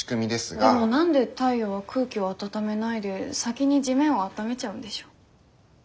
でも何で太陽は空気を温めないで先に地面を温めちゃうんでしょう？